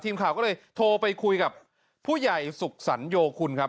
ทีมข่าวก็เลยโทรไปคุยกับผู้ใหญ่สุขสรรโยคุณครับ